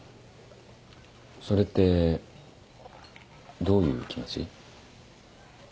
それってどういう気持ち？